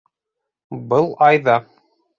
Был айҙа